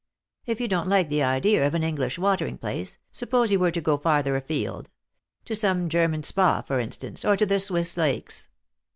If you don't like the idea of an English watering place, suppose you were to go farther afield. To some German spa, for instance, or to the Swiss lakes."